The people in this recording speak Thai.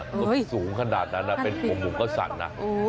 ก็สูงขนาดนั้นนะเป็นหัวหมูก็สั่นนะ